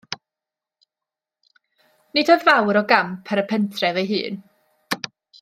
Nid oedd fawr o gamp ar y pentref ei hun.